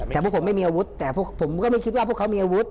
แต่พวกผมไม่มีอาวุธแต่พวกผมก็ไม่คิดว่าพวกเขามีอาวุธ